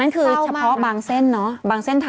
กูบองอ่ะ